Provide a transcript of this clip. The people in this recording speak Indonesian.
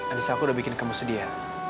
alisa aku udah bikin kamu sedia